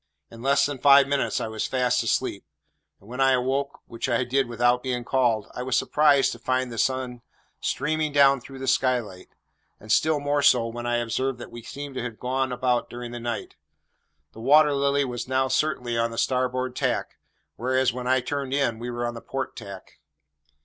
In less than five minutes I was fast asleep. When I awoke, which I did without being called, I was surprised to find the sun streaming down through the skylight; and still more so when I observed that we seemed to have gone about during the night. The Water Lily was now certainly on the starboard tack; whereas, when I turned in, we were on the port tack.